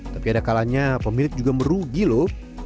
tapi ada kalanya pemilik juga merugi loh